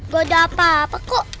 gua udah apa apa kok